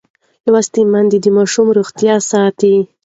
لوستې میندې د ماشوم روغتیا ساتي.